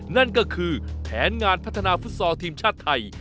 นั่นก็คือแผนงานพัฒนาฟุตซอลทีมชาติไทย